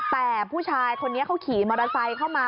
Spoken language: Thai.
แต่ผู้ชายคนนี้เขาขี่มอเตอร์ไซค์เข้ามา